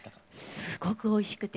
すごくおいしくて。